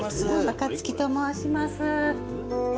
若月と申します。